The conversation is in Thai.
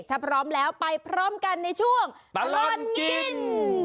ถ้าพร้อมแล้วไปพร้อมกันในช่วงตลอดกิน